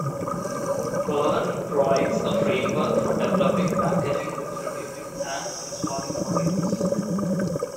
Perl provides a framework for developing, packaging, distributing, and installing modules.